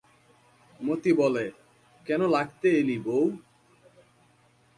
মতি বলে, কেন লাগতে এলি বৌ?